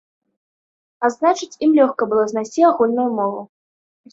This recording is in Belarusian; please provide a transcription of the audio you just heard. А значыць, ім лёгка было знайсці агульную мову.